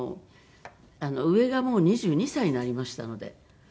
上が２２歳になりましたので。